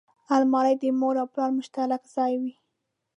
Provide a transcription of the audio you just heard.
الماري د مور او پلار مشترک ځای وي